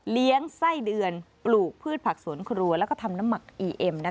ไส้เดือนปลูกพืชผักสวนครัวแล้วก็ทำน้ำหมักอีเอ็ม